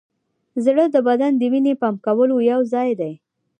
زړه د بدن د وینې پمپ کولو یوځای دی.